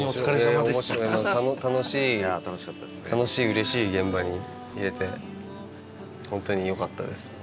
楽しいうれしい現場にいれて本当によかったです。